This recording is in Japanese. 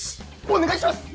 お願いします！